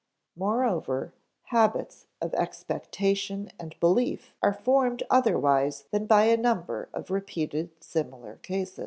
Moreover, habits of expectation and belief are formed otherwise than by a number of repeated similar cases.